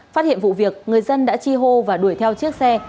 phát hiện vụ việc người dân đã chi hô và đuổi theo chiếc xe